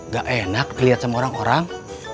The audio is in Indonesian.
gak enak kelihatan orang orang